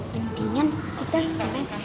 mendingan kita sekarang